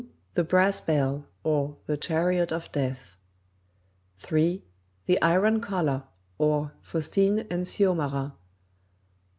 The Brass Bell; or, The Chariot of Death; 3. The Iron Collar; or, Faustine and Syomara; 4.